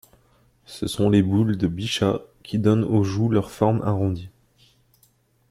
Ce sont les boules de Bichat qui donnent aux joues leur forme arrondie.